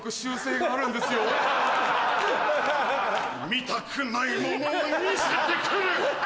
見たくないものを見せてくる！